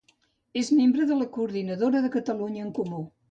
És membre de la coordinadora de Catalunya en Comú.